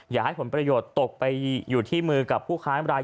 อย่าให้ผลประโยชน์ตกไปอยู่ที่มือกับผู้ค้าราย